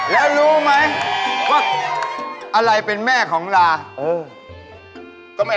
แต่ออกรูปมาเป็นปลาเฮ่ย